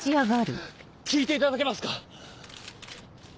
聞いていただけますか？